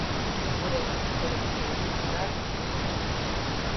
Burela: Colectivo Cultural Buril.